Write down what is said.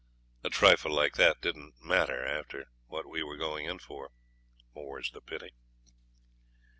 A trifle like that didn't matter after what we were going in for. More's the pity.